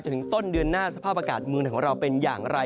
ถึงต้นเดือนหน้าสภาพอากาศเมืองไทยของเราเป็นอย่างไร